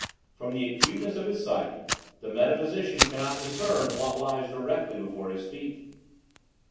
From the acuteness of his sight, the metaphysician cannot discern what lies directly before his feet.